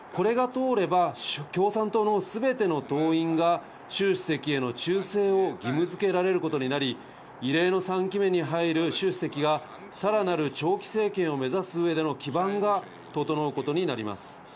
これが通れば共産党のすべての党員がシュウ主席への忠誠を義務付けられることになり、異例の３期目に入るシュウ主席が、さらなる長期政権を目指す上での基盤が整うことになります。